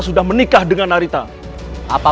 aku membencimu darmala